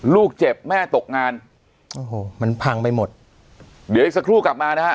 ลูกเจ็บแม่ตกงานโอ้โหมันพังไปหมดเดี๋ยวอีกสักครู่กลับมานะฮะ